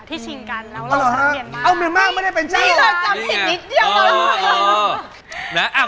นี่เราจำพี่นิดเดียว